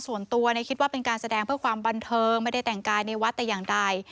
ส่วนตัวคิดว่าเป็นการแสดงเพื่อความบันเทิงไม่ได้แต่งกายในวัดแต่อย่างใด